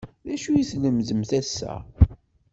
D acu i tlemdemt ass-a?